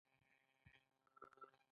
کاري پلان د ترسره کوونکي نوم لري.